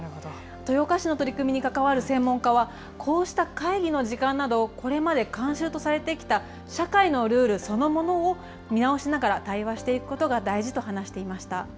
豊岡市の取り組みに関わる専門家は、こうした会議の時間など、これまで慣習とされてきた社会のルールそのものを見直しながら対話していくことが大事と話していました。